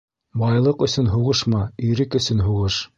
Байлыҡ өсөн һуғышма, ирек өсөн һуғыш.